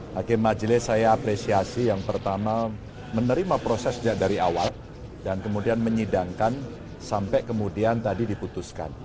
hakim majelis saya apresiasi yang pertama menerima proses sejak dari awal dan kemudian menyidangkan sampai kemudian tadi diputuskan